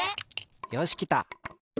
よしきた。